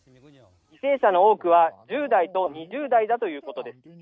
犠牲者の多くは１０代と２０代だということです。